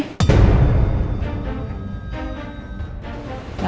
gak mungkin kan